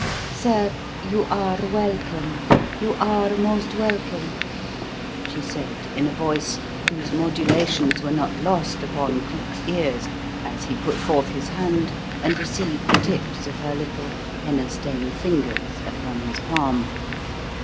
"Sir, you are welcome you are most welcome," she said in a voice whose modulations were not lost upon Cleek's ears as he put forth his hand and received the tips of her little, henna stained fingers upon his palm.